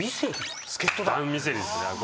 ダン・ミセリですね。